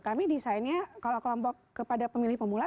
kami desainnya kalau kelompok kepada pemilih pemula